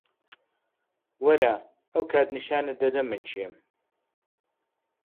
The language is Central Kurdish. وەرە، ئەو کات نیشانت دەدەم من کێم.